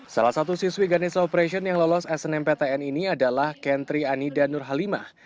salah satu siswi ganesha operation yang lolos snmptn ini adalah kentri ani dan nur halimah